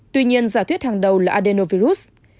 tuy nhiên giả thuyết hàng đầu là adenovirus